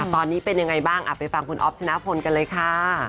ตอนนี้เป็นยังไงบ้างไปฟังคุณอ๊อฟชนะพลกันเลยค่ะ